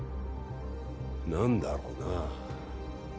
何だろうな